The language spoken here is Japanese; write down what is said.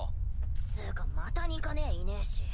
つぅかまたニカねえいねぇし。